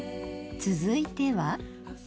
続いては？